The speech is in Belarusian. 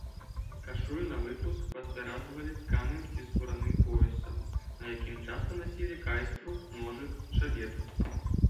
Кашулю навыпуск падпяразвалі тканым ці скураным поясам, на якім часта насілі кайстру, ножык, шабету.